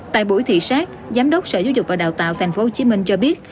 tại buổi thị xác giám đốc sở giáo dục và đào tạo tp hcm cho biết